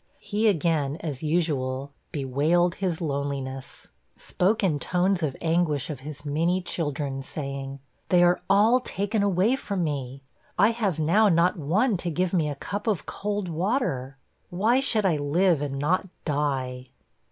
He again, as usual, bewailed his loneliness, spoke in tones of anguish of his many children, saying, "They are all taken away from me! I have now not one to give me a cup of cold water why should I live and not die?"